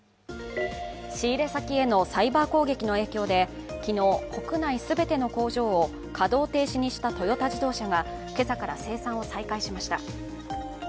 仕入れ先へのサイバー攻撃の影響で昨日、国内全ての工場を稼働停止にしたトヨタ自動車が今朝から生産を再開しました。